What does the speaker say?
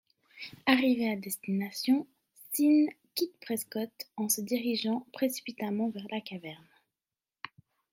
Arrivés à destination, Steen quitte Prescott en se dirigeant précipitamment vers la caverne.